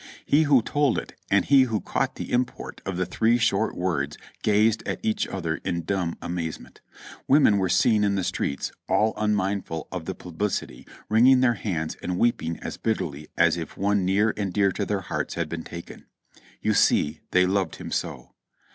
He who told it and he who caught the import of the three short words gazed at each other in dumb amazement. Women were seen in the streets, all unmindful of the publicity, wringing their hands and weeping as bitterly as if one near and dear to their hearts had been taken. You see they loved him so